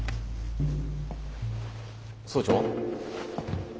総長？